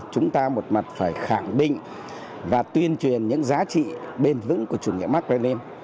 chúng ta một mặt phải khẳng định và tuyên truyền những giá trị bền vững của chủ nghĩa mark brene